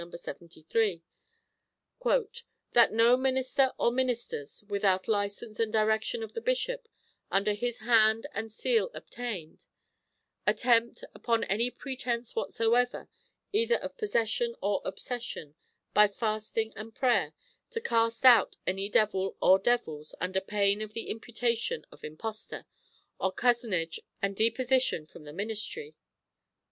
73): "That no minister or ministers, without license and direction of the bishop, under his hand and seal obtained, attempt, upon any pretence whatsoever, either of possession or obsession, by fasting and prayer, to cast 'out any devil or devils, under pain of the imputation of imposture, or cozenage, and deposition from the ministry."